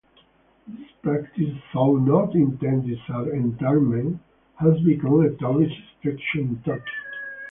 This practice, though not intended as entertainment, has become a tourist attraction in Turkey.